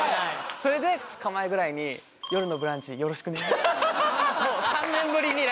それで２日前ぐらいに「よるのブランチよろしくね！」